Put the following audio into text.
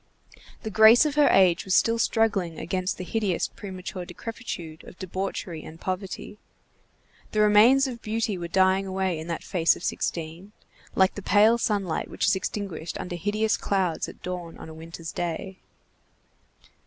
The grace of her age was still struggling against the hideous, premature decrepitude of debauchery and poverty. The remains of beauty were dying away in that face of sixteen, like the pale sunlight which is extinguished under hideous clouds at dawn on a winter's day.